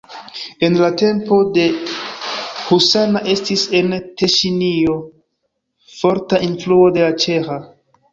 En la tempo de husana estis en Teŝinio forta influo de la ĉeĥa.